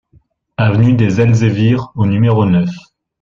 Avenue des Elzévirs au numéro neuf